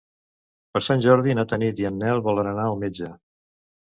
Per Sant Jordi na Tanit i en Nel volen anar al metge.